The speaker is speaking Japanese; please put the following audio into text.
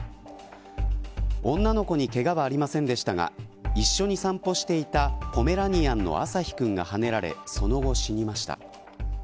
女の子に、けがはありませんでしたが一緒に散歩していたポメラニアンの朝陽君がはねられその後、死にました。